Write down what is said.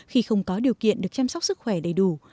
khi không có điều kiện được chăm sóc sức khỏe đầy đủ